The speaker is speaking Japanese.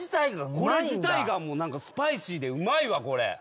これ自体が何かスパイシーでうまいわこれ。